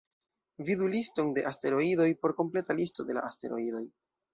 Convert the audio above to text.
Vidu "Liston de asteroidoj" por kompleta listo de la asteroidoj.